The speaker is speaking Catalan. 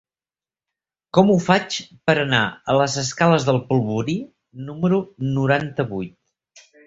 Com ho faig per anar a les escales del Polvorí número noranta-vuit?